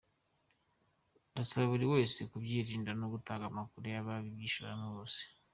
Ndasaba buri wese kubyirinda no gutanga amakuru y’ababyishoramo bose."